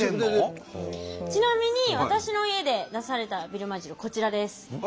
ちなみに私の家で出されたビルマ汁こちらです。